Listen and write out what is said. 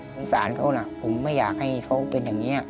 สงสารเขานะผมไม่อยากให้เขาเป็นอย่างนี้